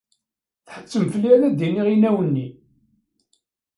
Tḥettem fell-i ad d-iniɣ inaw-nni.